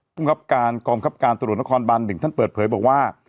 ภูมิภักดิ์การกรรมครับการตรวจตะคอนบ้านหนึ่งท่านเปิดเผยบอกว่า